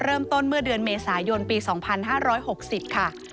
เริ่มต้นเมื่อเดือนเมษายนปี๒๕๖๐ค่ะ